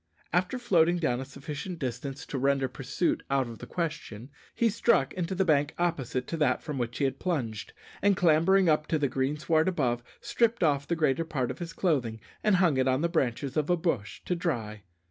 After floating down a sufficient distance to render pursuit out of the question, he struck into the bank opposite to that from which he had plunged, and clambering up to the greensward above, stripped off the greater part of his clothing and hung it on the branches of a bush to dry.